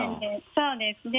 そうですね。